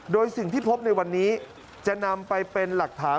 โดยสิ่งที่พบในวันนี้จะนำไปเป็นหลักฐาน